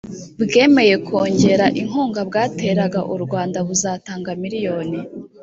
bwemeye kongera inkunga bwateraga u Rwanda Buzatanga miliyoni